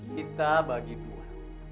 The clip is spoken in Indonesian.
kita bagi dua